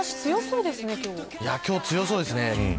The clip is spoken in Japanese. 今日、強そうですね。